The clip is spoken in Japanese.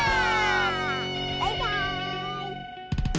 バイバーイ！